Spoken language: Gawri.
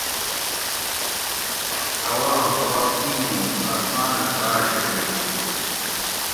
اولاں سوال اِیں نوں آسماۤنہ تاۤر کتیک تھُو